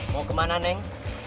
mau kemana neng